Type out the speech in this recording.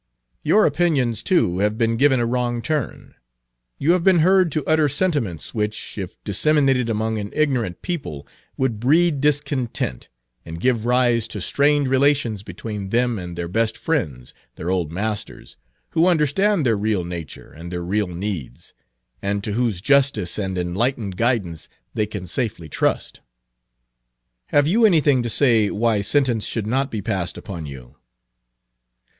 Your opinions, too, have been given a wrong turn; you have been heard to utter sentiments which, if disseminated among an ignorant people, would breed discontent, and give rise to strained relations between them and their best friends, their old masters, who understand Page 312 their real nature and their real needs, and to whose justice and enlightened guidance they can safely trust. Have you anything to say why sentence should not be passed upon you?"